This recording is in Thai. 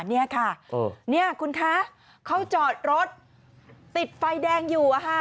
นี่ค่ะนี่คุณคะเขาจอดรถติดไฟแดงอยู่